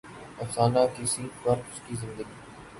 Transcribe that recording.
افسانہ کسی فرد کے زندگی